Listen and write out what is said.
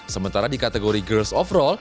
sementara di kategori girs overall